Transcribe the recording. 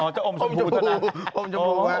อย่าอมอะอ่อเจ้าอมชมพูเท่านั้น